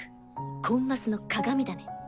コンマスの鑑だね！